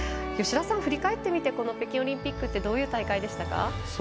吉田さん、振り返ってみて北京オリンピックってどういう大会でしたか？